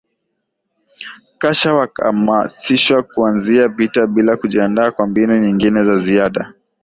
kasha wakahamasishwa kuanzisha vita bila kujiandaa kwa mbinu nyingine za ziada